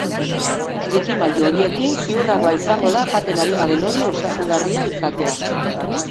Trikimailu horiekin, ziurragoa izango da jaten ari garen hori osasungarria izatea.